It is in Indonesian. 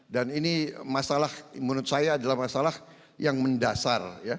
dan ini masalah menurut saya adalah masalah yang mendasar